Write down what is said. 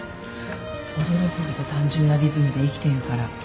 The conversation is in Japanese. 驚くほど単純なリズムで生きているから